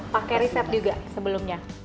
pakai resep juga sebelumnya